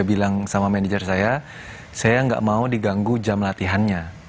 saya bilang sama manajer saya saya nggak mau diganggu jam latihannya